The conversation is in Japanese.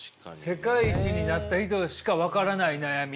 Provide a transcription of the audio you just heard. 世界一になった人しか分からない悩み。